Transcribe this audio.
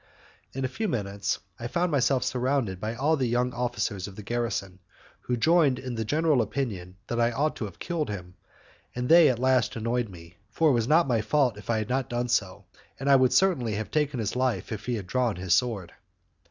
In a few minutes, I found myself surrounded by all the young officers of the garrison, who joined in the general opinion that I ought to have killed him, and they at last annoyed me, for it was not my fault if I had not done so, and I would certainly have taken his life if he had drawn his sword.